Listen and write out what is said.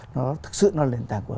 nó thực sự là nền tảng của